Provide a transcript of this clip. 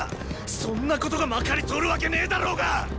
そんなことがまかり通るわけねェだろが！！